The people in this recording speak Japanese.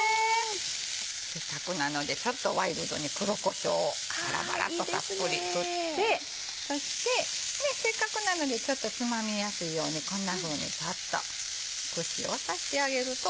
せっかくなのでちょっとワイルドに黒こしょうをバラバラっとたっぷり振ってそしてせっかくなのでつまみやすいようにこんなふうにサッと串を刺してあげると。